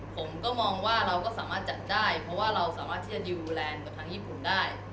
ผมก็มองว่าเราก็สามารถจัดได้เพราะว่าเราสามารถที่จะดิวแลนด์กับทางญี่ปุ่นได้